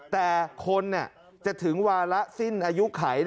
แต่คนจะถึงวาระสิ้นอายุไข